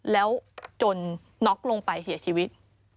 แล้วจนน็อกลงไปเสียชีวิต